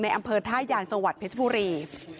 อำเภอท่ายางจังหวัดเพชรบุรี